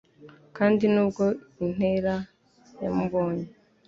kandi nubwo intera yamubonye